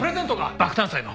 爆誕祭の。